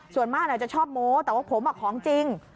ส่วนมากจะชอบโม้แต่ว่าผมของจริง